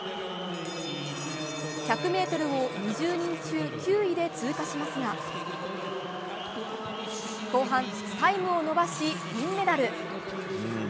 １００ｍを２０人中９位で通過しますが後半タイムを伸ばし、銀メダル。